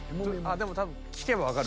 でも多分聴けばわかる。